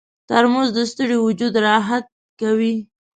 ترموز د ستړي وجود راحت کوي.